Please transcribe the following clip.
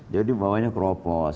jadi bawanya kropos